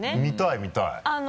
見たい見たい。